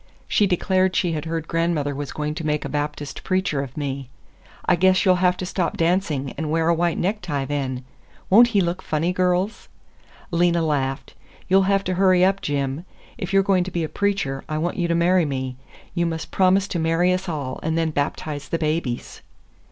She declared she had heard grandmother was going to make a Baptist preacher of me. "I guess you'll have to stop dancing and wear a white necktie then. Won't he look funny, girls?" Lena laughed. "You'll have to hurry up, Jim. If you're going to be a preacher, I want you to marry me. You must promise to marry us all, and then baptize the babies."